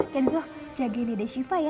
kanzo jagain dede siva ya